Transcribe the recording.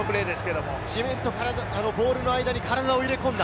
地面とボールの間に体を入れ込んだ。